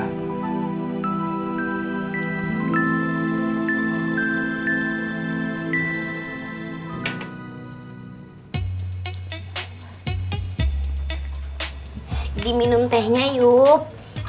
ini minum tehnya yuk